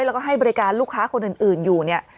แล้วก็ให้บริการลูกค้าคนอื่นอยู่เนี่ย